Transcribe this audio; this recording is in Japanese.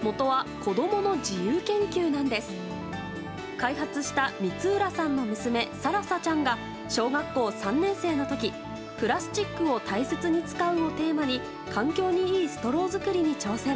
開発した光浦さんの娘更紗ちゃんが小学３年生の時プラスチックを大切に使うをテーマに環境にいいストロー作りに挑戦。